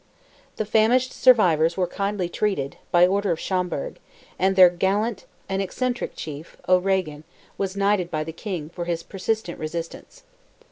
The famished survivors were kindly treated, by order of Schomberg, and their gallant and eccentric chief, O'Regan, was knighted by the King, for his persistent resistance.